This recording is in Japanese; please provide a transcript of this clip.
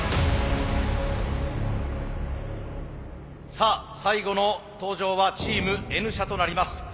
さあ最後の登場はチームＮ社となります。